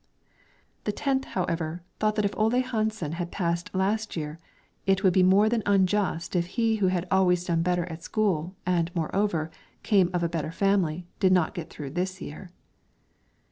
The tenth, however, thought that if Ole Hansen had passed last year it would be more than unjust if he who had always done better at school, and, moreover, came of a better family, did not get through this year.